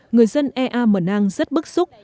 người dân ea mờ nang rất bức xúc